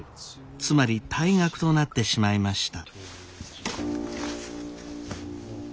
つまり退学となってしまいました。